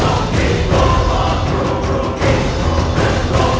aku tak bisa